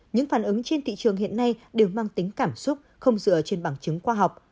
những phản ứng trên thị trường hiện nay đều mang tính cảm xúc không dựa trên bằng chứng khoa học